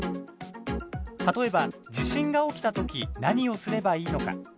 例えば、地震が起きた時何をすればいいのか。